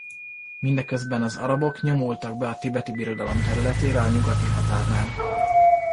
Mindeközben az arabok nyomultak be a Tibeti Birodalom területére a nyugati határnál.